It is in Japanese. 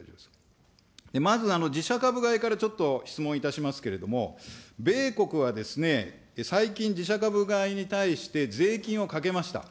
まず自社株買いからちょっと質問いたしますけれども、米国は最近、自社株買いに対して税金をかけました。